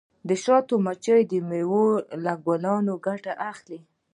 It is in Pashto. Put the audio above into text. د شاتو مچۍ د میوو له ګلونو ګټه اخلي.